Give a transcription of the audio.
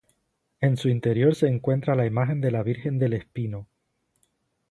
En su interior se encuentra la imagen de la Virgen del Espino.